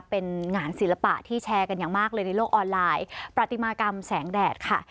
เป็นงานศิลปะที่แชร์กันอย่างมากเลยในโลกออนไลน์ประติมากรรมแสงแดดค่ะ